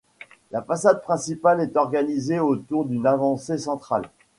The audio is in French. La façade principale est organisée autour d'une avancée centrale.